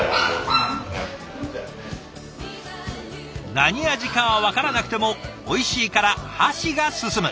何味かは分からなくてもおいしいから箸が進む。